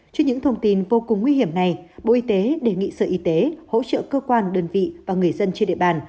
trước những thông tin vô cùng nguy hiểm này bộ y tế đề nghị sở y tế hỗ trợ cơ quan đơn vị và người dân trên địa bàn